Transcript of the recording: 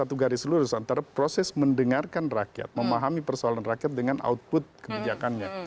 ada dua garis seluruh antara proses mendengarkan rakyat memahami persoalan rakyat dengan output kebijakannya